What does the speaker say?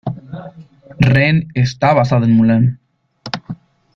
Ren está basado en Mulan.